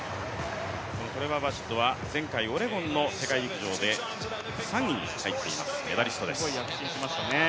トレバー・バシットは前回オレゴンの世界陸上で３位に入っています、メダリストです。